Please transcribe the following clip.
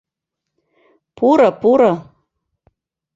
Пуро, пуро...